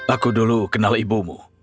aku dulu kenal ibumu